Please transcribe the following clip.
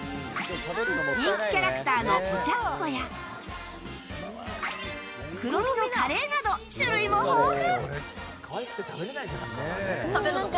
人気キャラクターのポチャッコやクロミのカレーなど種類も豊富！